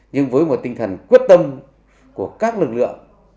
nhưng với một tinh thần quyết tâm của các lực lượng